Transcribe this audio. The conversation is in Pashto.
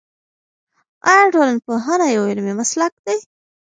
آیا ټولنپوهنه یو علمي مسلک دی؟